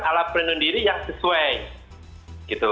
ala perlindung diri yang sesuai